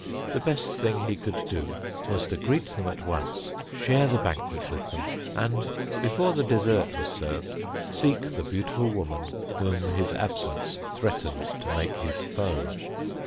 The best thing he could do was to greet them at once, share the banquet with them, and, before the dessert was served, seek the beautiful woman whom his absence threatened to make his foe.